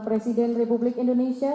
presiden republik indonesia